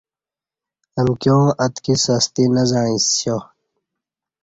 امکیاں اتکی سستی نہ زعیݩسیا